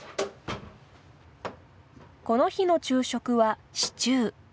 この日の昼食はシチュー。